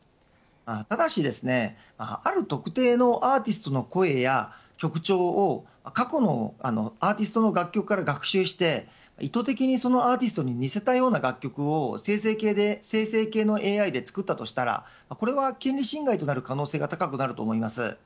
ただしですね、ある特定のアーティストの声や曲調を過去の楽曲からアーティストの楽曲から学習して意図的に、そのアーティストに似せたような楽曲を生成系のＡＩで作ったとしたらこれは権利侵害となる可能性が高くなると思います。